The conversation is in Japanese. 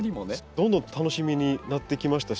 どんどん楽しみになってきましたし